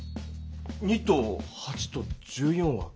２と８と１４は偶数だ。